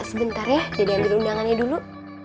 sebentar ya jadi ambil undangannya dulu